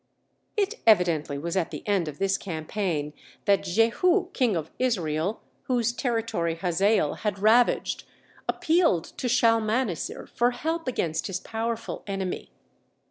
It evidently was at the end of this campaign that Jehu, king of Israel, whose territory Hazael had ravaged, appealed to Shalmaneser for help against his powerful enemy.